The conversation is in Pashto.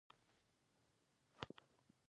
آرام خوب او مړې خېټې سباناري مو وکړه.